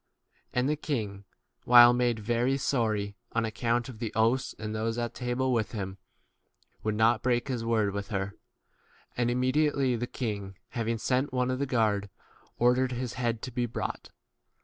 And the king, [while] made very sorry, on account of the oaths and those at table with him, would not 2 ? break his word with her. u And immediately the king, having sent one of the guard, ordered his head to be brought.